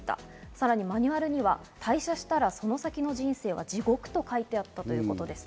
さらにマニュアルには退社したらその先の人生は地獄と書いてあったということです。